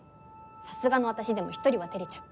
さすがの私でも１人は照れちゃう。